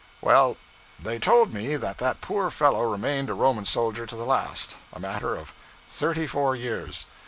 Well, they told me that that poor fellow remained a Roman soldier to the last a matter of thirty four years.